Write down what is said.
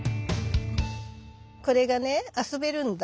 これがね遊べるんだ。